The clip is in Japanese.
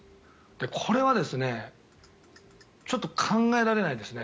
これはちょっと考えられないですね。